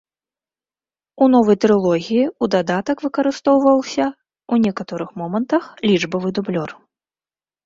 У новай трылогіі ў дадатак выкарыстоўваўся ў некаторых момантах лічбавы дублёр.